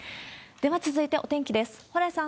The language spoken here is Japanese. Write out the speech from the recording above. では続いて、お天気です。